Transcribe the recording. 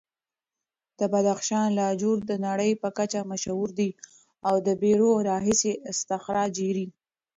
د بدخشان لاجورد د نړۍ په کچه مشهور دي او د پېړیو راهیسې استخراجېږي.